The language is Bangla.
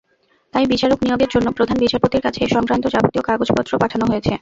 তাই বিচারক নিয়োগের জন্য প্রধান বিচারপতির কাছে এ-সংক্রান্ত যাবতীয় কাগজপত্র পাঠানো হয়েছে।